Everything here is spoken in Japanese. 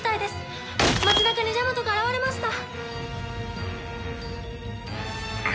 町中にジャマトが現れました！